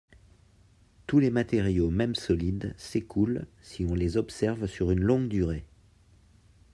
Tous les matériaux même solides s'écoulent si on les observe sur une longue durée.